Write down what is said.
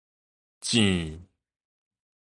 糋